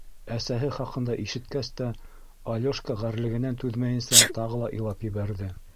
Әсәһе хаҡында ишеткәс тә, Алёшка ғәрлегенән түҙмәйенсә тағы ла илап ебәрҙе.